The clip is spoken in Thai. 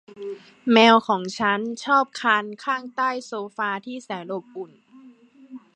แมวของฉันชอบคลานข้างใต้โซฟาที่แสนอบอุ่น